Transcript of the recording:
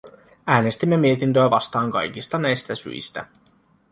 Äänestimme mietintöä vastaan kaikista näistä syistä.